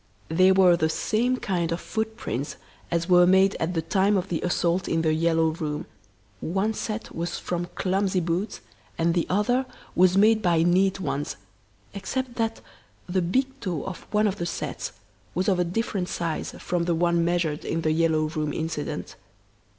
They were the same kind of footprints as were made at the time of the assault in "The Yellow Room" one set was from clumsy boots and the other was made by neat ones, except that the big toe of one of the sets was of a different size from the one measured in "The Yellow Room" incident.